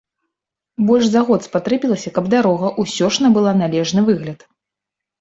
Больш за год спатрэбілася, каб дарога ўсё ж набыла належны выгляд.